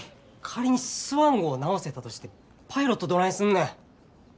仮にスワン号を直せたとしてパイロットどないすんねん。